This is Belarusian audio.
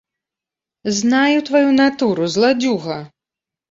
Знаю тваю натуру, зладзюга!